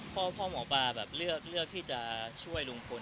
พ่อหมอปลาแบบเลือกที่จะช่วยลุงพล